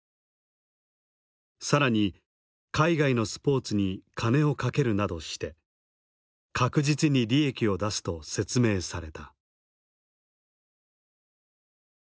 更に海外のスポーツに金を賭けるなどして確実に利益を出すと説明された。